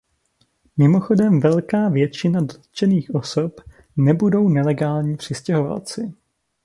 Mimochodem velká většina dotčených osob nebudou nelegální přistěhovalci.